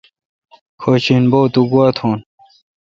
کھیش ی بو تو گوا توُن۔